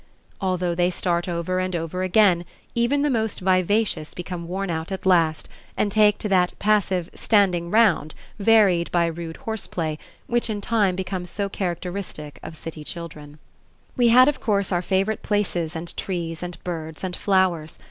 Although they start over and over again, even the most vivacious become worn out at last and take to that passive "standing 'round" varied by rude horseplay, which in time becomes so characteristic of city children. We had of course our favorite places and trees and birds and flowers.